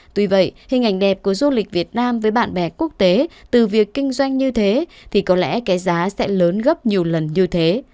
tuy vậy hình ảnh đẹp của du lịch việt nam với bạn bè quốc tế từ việc kinh doanh như thế thì có lẽ cái giá sẽ lớn gấp nhiều lần như thế